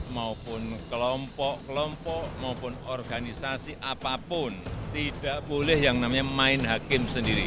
maupun kelompok kelompok maupun organisasi apapun tidak boleh yang namanya main hakim sendiri